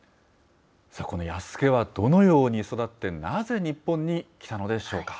この弥助はどのように育って、なぜ日本に来たのでしょうか。